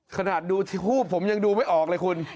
ขนาดดูที่ฮูบผมยังดูไม่ออกเลยคุณ